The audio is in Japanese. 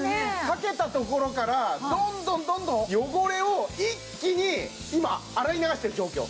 かけた所からどんどんどんどん汚れを一気に今洗い流してる状況。